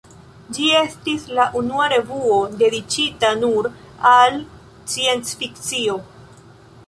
Ĝi estis la unua revuo dediĉita nur al sciencfikcio.